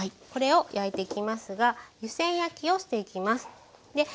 これを焼いていきますが湯煎焼きをしていきます。